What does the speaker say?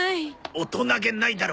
「大人げない」だろ！